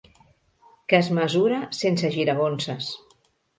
Que es mesura sense giragonses.